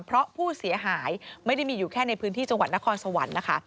เพราะผู้เสียหายไม่ได้มีอยู่แค่ในพื้นที่จังหวัดนครสวรรค์นะคะ